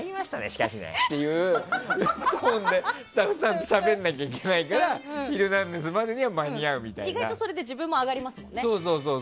しかしねっていうトーンで、スタッフさんとしゃべらなきゃいけないから「ヒルナンデス！」までには意外とそれで自分も上がりますもんね。